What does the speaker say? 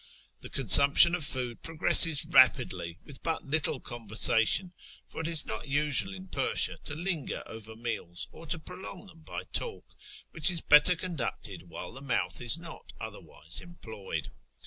The consumption of food progresses rapidly, with but little conversation, for it is not usual in Persia to linger over meals, or to prolong them by talk, which is better conducted while the mouth is not otherwise employed.